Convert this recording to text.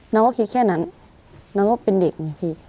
น้องก็คิดแค่นั้นน้องก็เป็นเด็กไงพี่